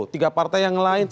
tiga partai yang lain